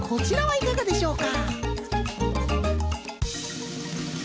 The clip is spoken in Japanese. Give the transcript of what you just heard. いかがでしょうか？